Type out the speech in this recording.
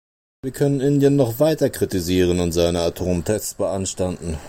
Wir können Indien noch weiter kritisieren und seine Atomtests beanstanden.